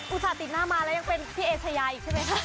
ส่าห์ติดหน้ามาแล้วยังเป็นพี่เอชายาอีกใช่ไหมคะ